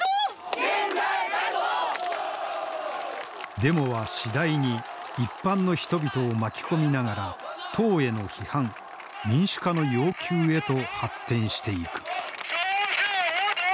デモは次第に一般の人々を巻き込みながら党への批判民主化の要求へと発展していく。